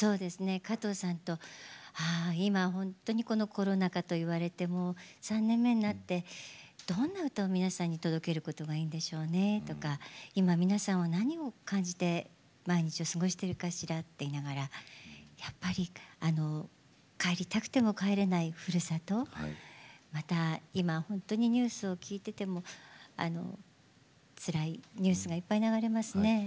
加藤登紀子さんとコロナ禍と言われて、もう３年目になってどんな歌を皆さんに届けることがいいんでしょうねとか今、皆さんが何を感じて毎日を過ごしているかしらとかやっぱり帰りたくても帰れないふるさとまた今、本当にニュースを聞いていてもつらいニュースがいっぱい流れますね。